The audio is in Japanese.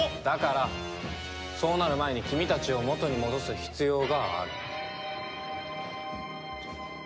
だからそうなる前に君たちを元に戻す必要がある。